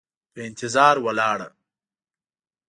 په انتظار ولاړه،